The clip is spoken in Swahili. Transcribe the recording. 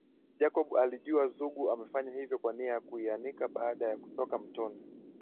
Jacob alijua Zugu amefanya hivyo kwa nia ya kuianika baada ya kutoka mtoni